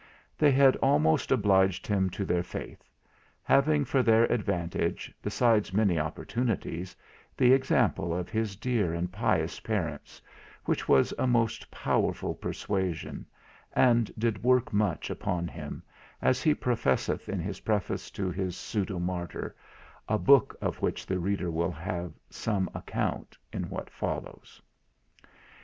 They had almost obliged him to their faith; having for their advantage, besides many opportunities, the example of his dear and pious parents, which was a most powerful persuasion, and did work much upon him, as he professeth in his preface to his "Pseudo Martyr," a book of which the reader shall have some account in what follows.